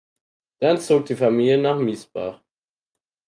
Dann zog die Familie nach Miesbach.